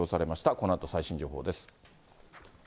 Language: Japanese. このあと最新情報です。